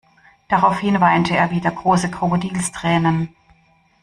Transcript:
Daraufhin weinte er wieder große Krokodilstränen.